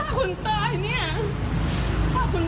เขาเหี้ยบบ้างเลย